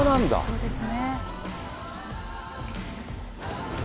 そうですね。